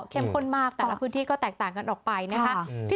ข้นมากแต่ละพื้นที่ก็แตกต่างกันออกไปนะคะ